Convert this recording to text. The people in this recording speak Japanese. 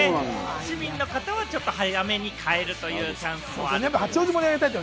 市民の方はちょっと早めに買えるというチャンスもあります。